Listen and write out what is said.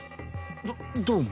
どどうも。